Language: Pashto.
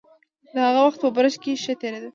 د هغه وخت په برج کې ښه تېرېده.